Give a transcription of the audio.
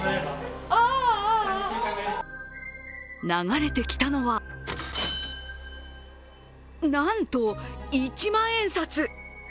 流れてきたのはなんと一万円札。